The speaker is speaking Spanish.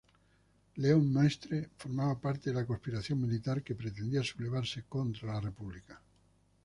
León Maestre formaba parte de la conspiración militar que pretendía sublevarse contra la República.